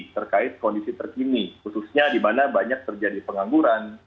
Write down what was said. terkait kondisi terkini khususnya di mana banyak terjadi pengangguran